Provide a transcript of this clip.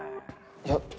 いや。